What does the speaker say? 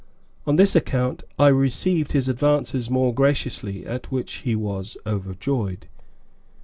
On this account, I received his advances more graciously, at which he was overjoyed.